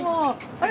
あれ？